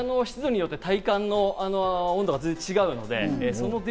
部屋の湿度によって体感の温度が全然違う。